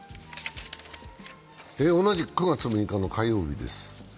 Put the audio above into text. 同じく９月６日の火曜日です。